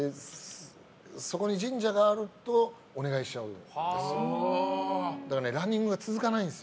そこに神社があるとお願いしちゃうんです。